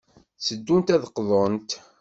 Tteddunt ad d-qḍunt.